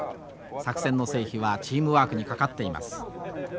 作戦の成否はチームワークにかかっています。